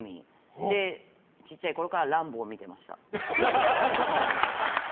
で、小さいころから「ランボー」を見ていました。